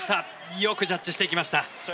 よくジャッジしていきました。